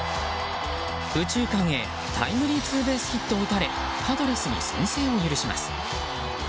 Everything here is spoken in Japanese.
右中間へタイムリーツーベースを打たれパドレスに先制を許します。